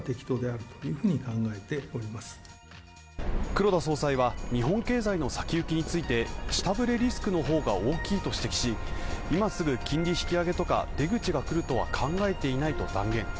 黒田総裁は日本経済の先行きについて、下振れリスクの方が大きいと指摘し今すぐ金利引き上げとか、出口が来るとは考えていないと断言。